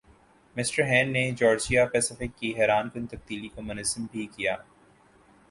mister Hain نے Georgia Pacific کی حیرانکن تبدیلی کو منظم بھِی کِیا